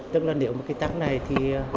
tức là nếu mà cái tăng này thì